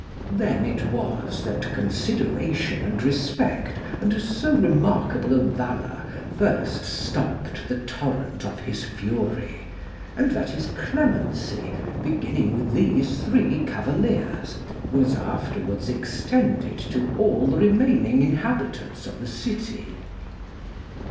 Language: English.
Then it was that consideration and respect unto so remarkable a valour first stopped the torrent of his fury, and that his clemency, beginning with these three cavaliers, was afterwards extended to all the remaining inhabitants of the city.